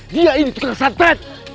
dia ini tukang santet